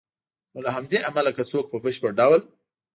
نو له همدې امله که څوک په بشپړ ډول